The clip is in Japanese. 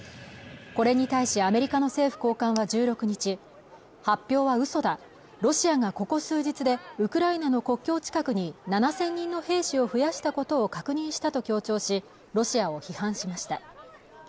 これに対しアメリカの政府高官は１６日発表は嘘だロシアがここ数日でウクライナの国境近くに７０００人の兵士を増やしたことを確認したと強調しロシアを批判しました